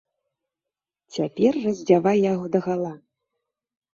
Цяпер раздзявай яго дагала.